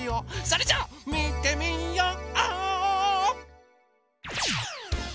それじゃあみてみよう！